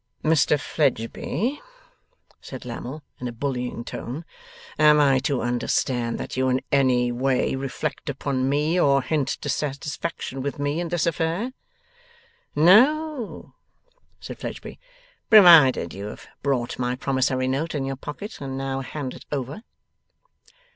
'Mr Fledgeby,' said Lammle, in a bullying tone, 'am I to understand that you in any way reflect upon me, or hint dissatisfaction with me, in this affair?' 'No,' said Fledgeby; 'provided you have brought my promissory note in your pocket, and now hand it over.